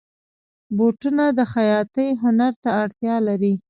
بوټونه د خیاطۍ هنر ته اړتیا لري.